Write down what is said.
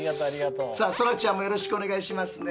さあそらちゃんもよろしくお願いしますね。